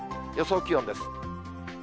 予想気温です。